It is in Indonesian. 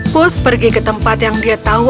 pus pergi ke tempat yang dia tahu